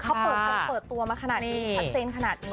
เขาเปิดตัวมาขนาดนี้ชัดเซนขนาดนี้